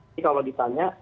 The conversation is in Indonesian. jadi kalau ditanya